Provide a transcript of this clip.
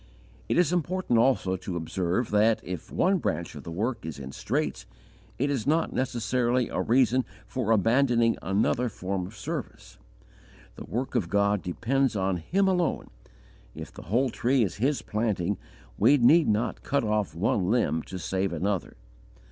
It is important also to observe that, if one branch of the work is in straits, it is not necessarily a reason for abandoning another form of service. The work of God depends on Him alone. If the whole tree is His planting, we need not cut off one limb to save another.